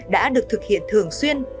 đã được thực hiện thường xuyên